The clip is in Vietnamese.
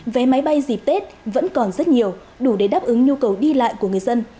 vé máy bay dịp tết vẫn còn rất nhiều đủ để đáp ứng nhu cầu đi lại của người dân